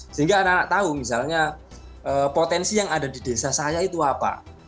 sehingga anak anak tahu misalnya potensi yang ada di desa saya itu apa